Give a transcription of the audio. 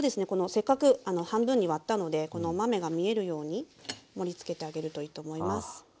せっかく半分に割ったのでこのお豆が見えるように盛りつけてあげるといいと思います。